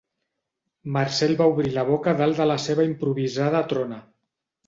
Marcel va obrir la boca dalt de la seva improvisada trona.